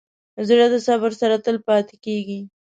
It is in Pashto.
زړه د صبر سره تل پاتې کېږي.